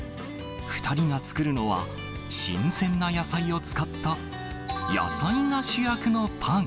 ２人が作るのは、新鮮な野菜を使った、野菜が主役のパン。